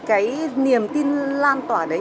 cái niềm tin lan tỏa